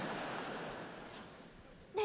ねえ